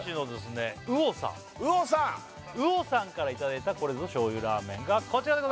うおさんからいただいたこれぞ醤油ラーメンがこちらです